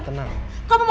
kau mau ngapain